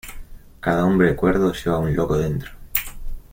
Cada hombre cuerdo lleva un loco dentro.